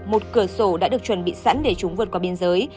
một cửa sổ đã được chuẩn bị sẵn để chúng vượt qua biên giới